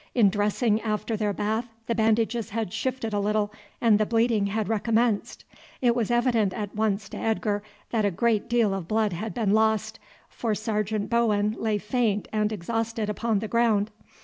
In dressing after their bathe the bandages had shifted a little, and the bleeding had recommenced. It was evident at once to Edgar that a great deal of blood had been lost, for Sergeant Bowen lay faint and exhausted upon the ground.